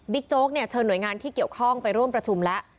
โจ๊กเนี่ยเชิญหน่วยงานที่เกี่ยวข้องไปร่วมประชุมแล้ว